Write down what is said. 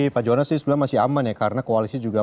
pak jonan sih sebenarnya masih aman ya karena koalisi juga